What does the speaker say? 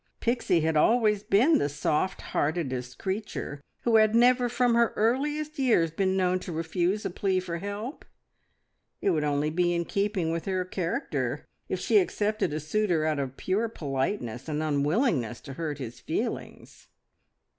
Pixie had always been "the soft heartedest creature," who had never from her earliest years been known to refuse a plea for help. It would only be in keeping with her character if she accepted a suitor out of pure politeness and unwillingness to hurt his feelings.